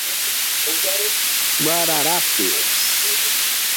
Guararapes